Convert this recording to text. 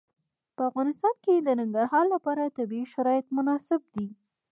په افغانستان کې د ننګرهار لپاره طبیعي شرایط مناسب دي.